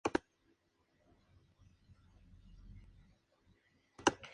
Tiene como sede la ciudad canaria de Joaquín Suárez.